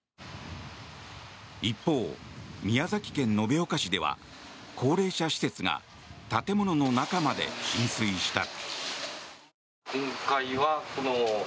一方、宮崎県延岡市では高齢者施設が建物の中まで浸水した。